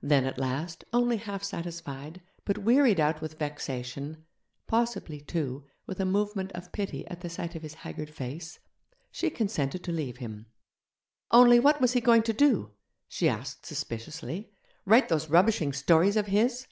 Then at last, only half satisfied, but wearied out with vexation possibly, too, with a movement of pity at the sight of his haggard face she consented to leave him. Only, what was he going to do? she asked suspiciously; write those rubbishing stories of his?